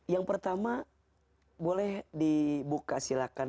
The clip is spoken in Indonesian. yang pertama boleh dibuka silakan